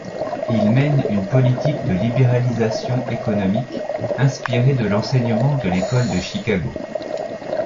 Il mène une politique de libéralisation économique inspiré de l'enseignement de l'école de Chicago.